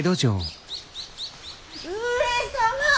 上様！